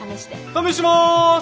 試します！